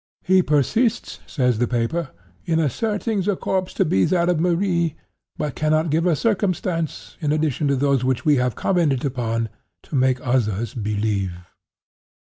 'He persists,' says the paper, 'in asserting the corpse to be that of Marie, but cannot give a circumstance, in addition to those which we have commented upon, to make others believe.